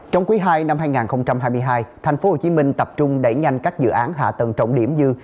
trong quý hai năm hai nghìn hai mươi hai thành phố hồ chí minh tập trung đẩy nhanh các dự án hạ tầng trọng điểm như